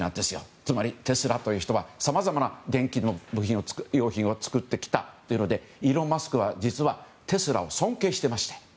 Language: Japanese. つまりテスラという人はさまざまな電気の部品を作ってきたということでイーロン・マスクは実はテスラを尊敬してました。